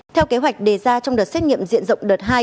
theo kế hoạch đề ra trong đợt xét nghiệm diện rộng đợt hai